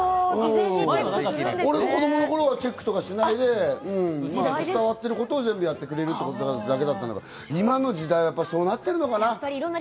俺が子供の頃とかはチェックとかしないで伝わってることを全部やってくれるってことだったんだけど、今の時代はそうなってるのかな。